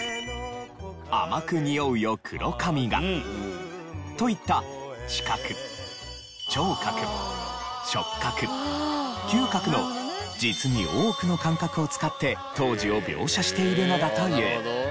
「甘く匂うよ黒髪が」といった視覚聴覚触覚嗅覚の実に多くの感覚を使って当時を描写しているのだという。